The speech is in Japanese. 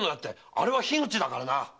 あれは樋口だからな！